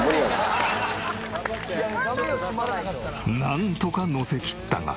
なんとか載せきったが。